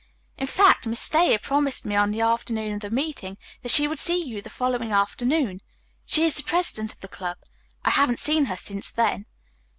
In fact, Miss Thayer promised me on the afternoon of the meeting that she would see you the following afternoon. She is the president of the club. I haven't seen her since then."